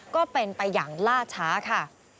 ก็เป็นไปอย่างล่าช้าค่ะ